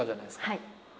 はい。